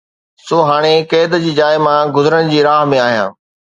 سو هاڻي قيد جي جاءِ مان گذرڻ جي راهه ۾ آهيان